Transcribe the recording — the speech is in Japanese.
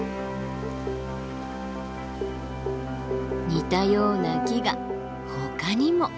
似たような木がほかにも。